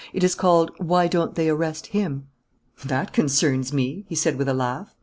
It is called, 'Why Don't They Arrest Him?'" "That concerns me," he said, with a laugh.